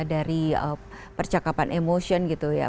dari percakapan emotion gitu ya